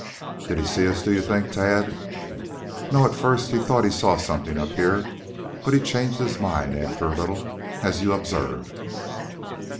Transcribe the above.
"Did he see us, do you think, Tad?" "No. At first he thought he saw something up here, but he changed his mind after a little, as you observed."